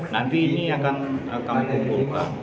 nanti ini akan kami kumpulkan